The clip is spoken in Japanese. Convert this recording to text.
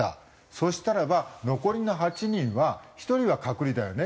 そしたらば残りの８人は１人は隔離だよね。